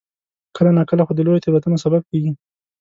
کله ناکله خو د لویو تېروتنو سبب کېږي.